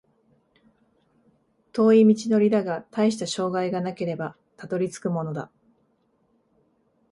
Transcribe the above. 遠い道のりだが、たいした障害がなければたどり着くものだ